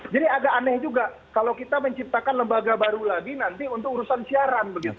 jadi agak aneh juga kalau kita menciptakan lembaga baru lagi nanti untuk urusan siaran